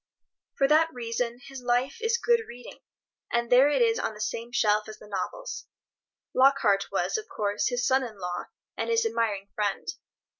For that reason his life is good reading, and there it is on the same shelf as the novels. Lockhart was, of course, his son in law and his admiring friend.